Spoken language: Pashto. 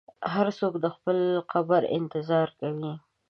هر څوک د خپل قبر انتظار کوي.